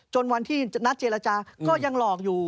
วันที่นัดเจรจาก็ยังหลอกอยู่